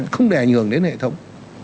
không đè nhường đến hệ thống